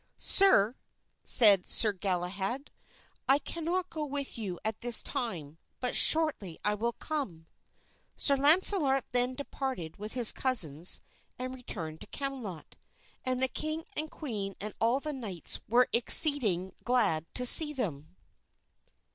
"Sir," said Sir Galahad, "I cannot go with you at this time, but shortly I will come." Sir Launcelot then departed with his cousins and returned to Camelot, and the king and queen and all the knights were exceeding glad to see them.